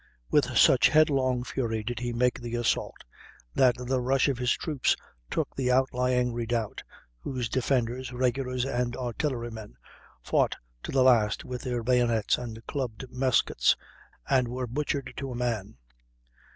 With such headlong fury did he make the assault, that the rush of his troops took the outlying redoubt, whose defenders, regulars and artillerymen, fought to the last with their bayonets and clubbed muskets, and were butchered to a man.